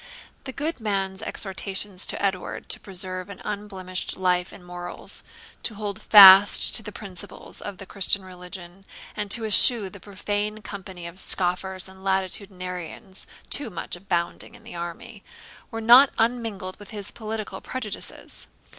The good man's ex hortations to Edward to preserve an unblemished life and morals, to hold fast the principles of the Christian religion, and to eschew the profane company of scoffers and latitudinarians, too much abounding in the army, were not unmingled with his political prejudices.